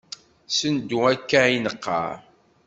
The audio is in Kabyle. Sendu akka i neqqar.